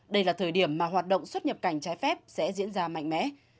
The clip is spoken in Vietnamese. đây là thời điểm mà hoạt động xuất nhập cảnh trái phép sẽ diễn ra mạnh mẽ